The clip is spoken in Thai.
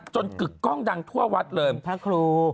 กึกกล้องดังทั่ววัดเลยพระครู